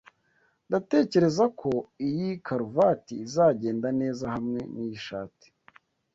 Ndatekereza ko iyi karuvati izagenda neza hamwe niyi shati.